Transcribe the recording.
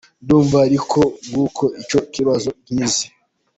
Ndumva ari uko nguko icyo kibazo nkizi.